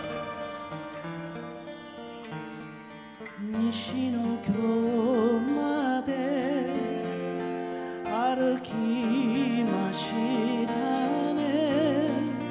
「西ノ京まで歩きましたね」